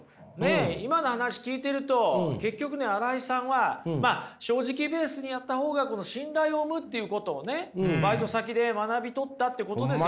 今の話聞いてると結局新井さんは正直ベースにあったほうが信頼を生むっていうことをねバイト先で学び取ったっていうことですよ